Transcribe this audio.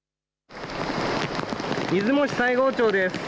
出雲市西宝町です。